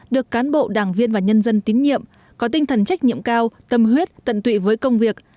được cán bộ đảng viên và nhân dân tín nhiệm có tinh thần trách nhiệm cao tâm huyết tận tụy với công việc